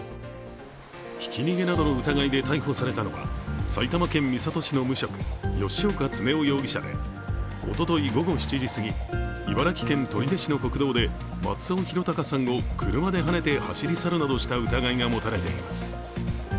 ひき逃げなどの疑いで逮捕されたのは埼玉県三郷市の無職吉岡恒夫容疑者でおととい午後７時すぎ、茨城県取手市の国道で松尾啓生さんを車ではねて走り去るなどした疑いが持たれています。